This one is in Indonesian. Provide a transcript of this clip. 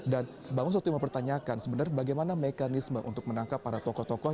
dan mbak mas satio mempertanyakan sebenarnya bagaimana mekanisme untuk menangkap para tokoh tokoh